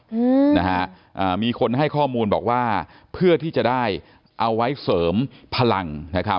อืมนะฮะอ่ามีคนให้ข้อมูลบอกว่าเพื่อที่จะได้เอาไว้เสริมพลังนะครับ